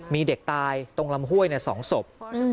มีเด็กตายตรงลำห้วย๒ศพ